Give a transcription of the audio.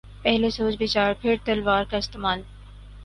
پہلے سوچ بچار پھر تلوار کااستعمال۔